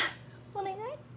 お願い！